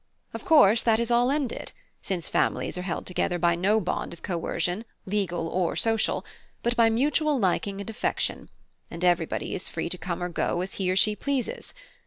Of course that is all ended, since families are held together by no bond of coercion, legal or social, but by mutual liking and affection, and everybody is free to come or go as he or she pleases.